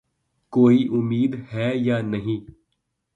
کوئی امید ہے یا نہیں ؟